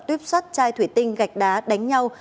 tuyếp xoát chai thủy tinh gạch đá đánh nhau